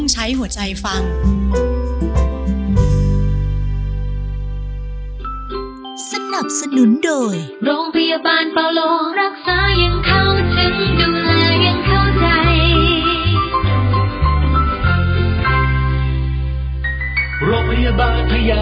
สวัสดีค่ะ